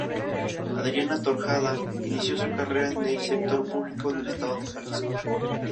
Adriana Tortajada inició su carrera en el sector público en el estado de Jalisco.